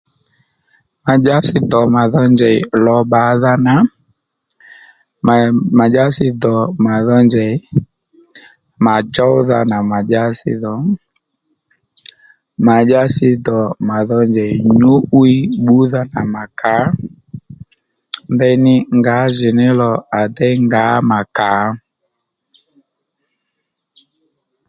Ma dyási dò ma dho njèy lò bbàdha nà mà dyási dò màdho njey mà djówdha nà mà dyási dhò mà dyasi dò mà dho njèy nyǔ'wiy bbúdha nà mà kǎ ndeyní ngǎjìní lò à déy ngǎ mà kǎ